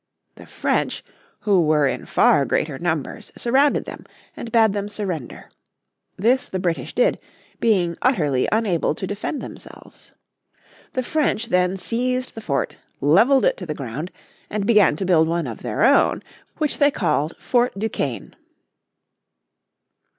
The French, who were in far greater numbers, surrounded them and bade them surrender. This the British did, being utterly unable to defend themselves. The French then seized the fort, leveled it to the ground, and began to build one of their own, which they called Fort Duquesne.